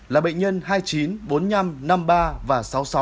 là bệnh nhân hai mươi chín bốn mươi năm năm mươi ba và sáu mươi sáu